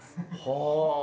はあ。